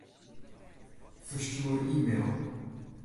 Ferstjoer e-mail.